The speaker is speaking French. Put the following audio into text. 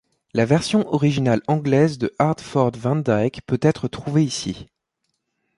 La version originale anglaise de Hartford Van Dyke peut être trouvée ici.